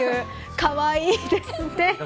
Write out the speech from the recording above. かわいいですね。